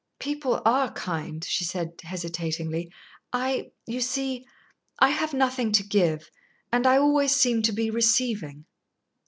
"People are kind," she said hesitatingly. "I you see, I have nothing to give, and I always seem to be receiving."